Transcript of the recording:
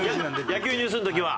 野球ニュースの時は。